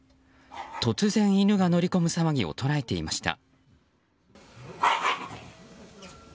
突然、犬が乗り込む騒ぎを捉えていました。